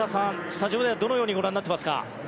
スタジオではどのようにご覧になっていますか？